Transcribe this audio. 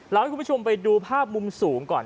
ให้คุณผู้ชมไปดูภาพมุมสูงก่อน